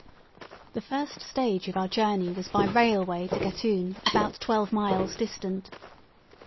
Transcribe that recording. The first stage of our journey was by railway to Gatun, about twelve miles distant.